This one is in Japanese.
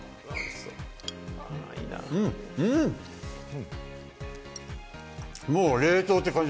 うん、うん、もう冷凍って感じ